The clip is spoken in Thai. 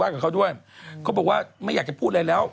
เขาบอกว่าไม่อยากจะพูดอะไรแล้ว